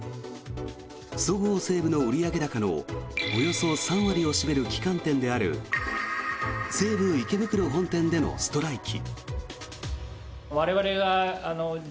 そごう・西武の売上高のおよそ３割を占める旗艦店である西武池袋本店でのストライキ。